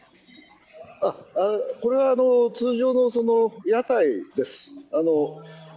これは通常の屋台です。